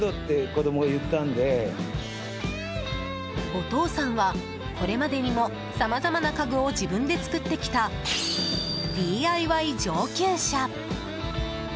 お父さんは、これまでにもさまざまな家具を自分で作ってきたＤＩＹ上級者。